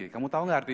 kamu tahu nggak